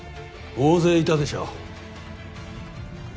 大勢いたでしょう。